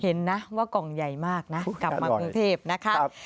เห็นนะว่ากล่องใหญ่มากนะกลับมากรุงเทพนะคะ